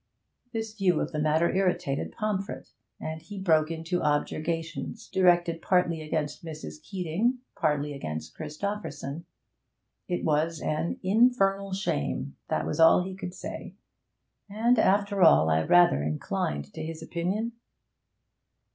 This view of the matter irritated Pomfret, and he broke into objurgations, directed partly against Mrs. Keeting, partly against Christopherson. It was an 'infernal shame,' that was all he could say. And after all, I rather inclined to his opinion.